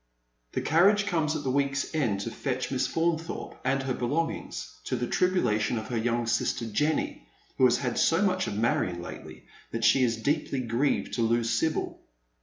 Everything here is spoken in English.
The carriage comes at the week's end to fetch Miss Faunthorpe and her belongings, to the tribulation of her young sister Jenny, who has had so much of Marion lately that she is deeply grieved to lose Sibyl.